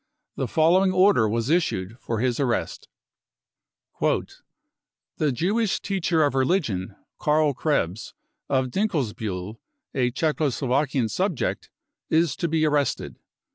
The following order was issued for his arrest ;," The Jewish teacher of religion Karl Krebs, of Dinkes biihl, a Czecho Slovakian subject, is to be arrested.